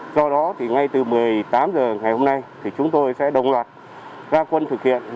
do đó thì ngay từ một mươi tám h ngày hôm nay thì chúng tôi sẽ đồng loạt ra quân thực hiện